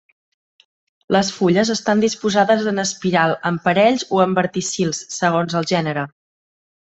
Les fulles estan disposades en espiral en parells o en verticils, segons el gènere.